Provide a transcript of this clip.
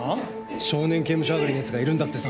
少年刑務所上がりのやつがいるんだってさ。